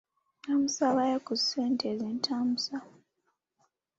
Nnamusabayo ku ssente ezintambuza.